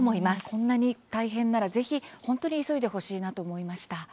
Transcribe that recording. こんなに大変ならぜひ、本当に急いでほしいなと思いました。